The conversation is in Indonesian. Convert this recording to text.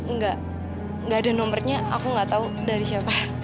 nggak nggak ada nomernya aku nggak tahu dari siapa